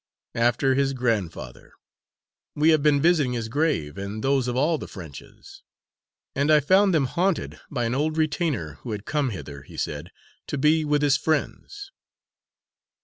"After his grandfather. We have been visiting his grave, and those of all the Frenches; and I found them haunted by an old retainer, who had come hither, he said, to be with his friends."